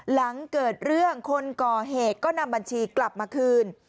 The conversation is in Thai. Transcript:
หลังเกิดเรื่องคนก่อเหตุก็นำบัญชีกลับมาคืน